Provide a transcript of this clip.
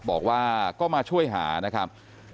บอกว่าก็มาช่วยหานะครับ